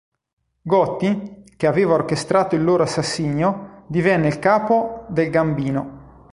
Gotti, che aveva orchestrato il loro assassinio, divenne il capo del Gambino.